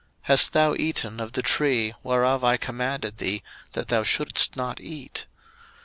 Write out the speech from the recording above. Hast thou eaten of the tree, whereof I commanded thee that thou shouldest not eat?